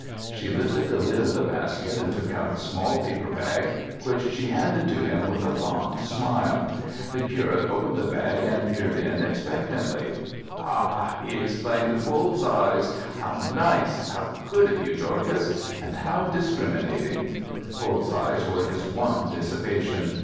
She lifted the lid of the basket and took out a small paper bag, which she handed to him with a fond smile. The curate opened the bag and peered in expectantly. "Ha!" he exclaimed. "Bull's eyes! How nice! How good of you, Dorcas! And how discriminating!" (Bull's eyes were his one dissipation.)